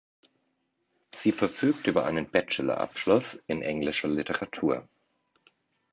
Sie verfügt über einen Bachelor-Abschluss in englischer Literatur.